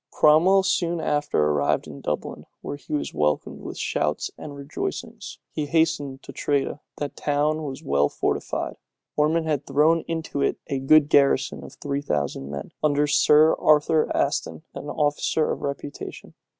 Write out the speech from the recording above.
Cromwell soon after arrived in Dublin, where he was welcomed with shouts and rejoicings. He hastened to Tredah. That town was well fortified: Ormond had thrown into it a good garrison of three thousand men, under Sir Arthur Aston, an officer of reputation.